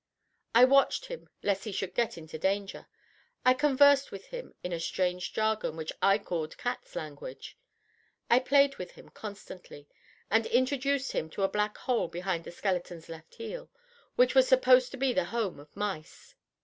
I watched him lest he should get into danger; I conversed with him in a strange jargon, which I called cats' language; I played with him constantly, and introduced him to a black hole behind the skeleton's left heel, which was supposed to be the home of mice.